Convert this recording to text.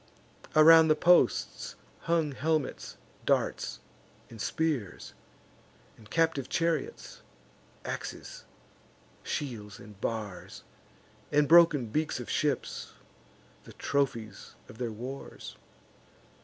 Around the posts hung helmets, darts, and spears, And captive chariots, axes, shields, and bars, And broken beaks of ships, the trophies of their wars.